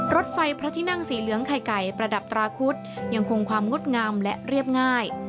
รถไฟพระที่นั่งสีเหลืองไข่ไก่ประดับตราคุดยังคงความงดงามและเรียบง่าย